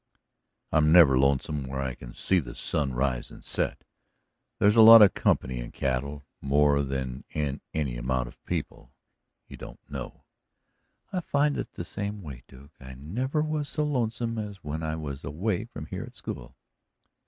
"I'm never lonesome where I can see the sun rise and set. There's a lot of company in cattle, more than in any amount of people you don't know." "I find it the same way, Duke. I never was so lonesome as when I was away from here at school."